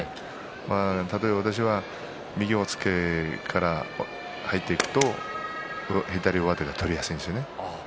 私は右押っつけから入っていくと左上手が取りやすいんですよね。